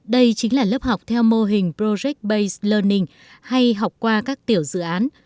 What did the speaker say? đây chính là lớp học theo mô hình project bas learning hay học qua các tiểu dự án